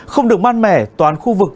không được mát mẻ toàn khu vực